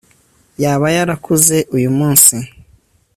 yaba yarakuze uyu munsi